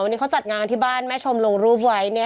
วันนี้เขาจัดงานที่บ้านแม่ชมลงรูปไว้